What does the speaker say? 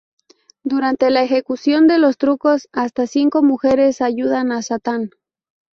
Durante la ejecución de los trucos, hasta cinco mujeres ayudan a Satán.